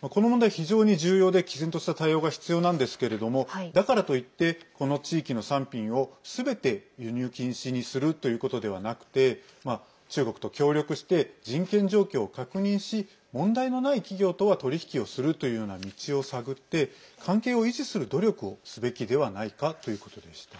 この問題、非常に重要できぜんとした対応が必要なんですけれどもだからといってこの地域の産品をすべて輸入禁止にするということではなくて中国と協力して人権状況を確認し問題ない企業とは取引をするというような道を探って関係を維持する努力をすべきではないかということでした。